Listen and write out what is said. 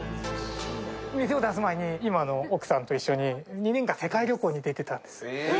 店を出す前に今の奥さんと一緒に２年間、世界旅行に出てたんです。